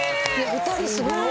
２人すごい。